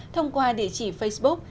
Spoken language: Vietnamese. thông qua địa chỉ facebook